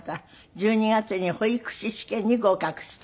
１２月に保育士試験に合格した。